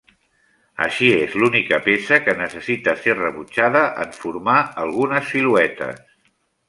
Així, és l'única peça que necessita ser rebutjada en formar algunes siluetes.